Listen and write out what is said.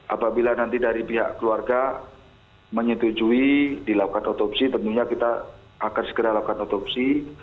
apabila nanti dari pihak keluarga menyetujui dilakukan otopsi tentunya kita akan segera lakukan otopsi